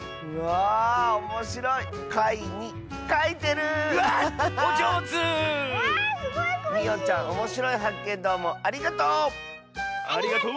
ありがとう！